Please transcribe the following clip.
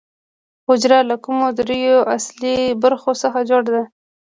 حجره له کومو درېیو اصلي برخو څخه جوړه ده